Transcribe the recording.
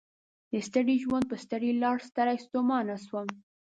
د ستړي ژوند په ستړي لار ستړی ستومان شوم